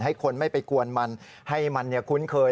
ให้คนไม่ไปกวนมันให้มันคุ้นเคย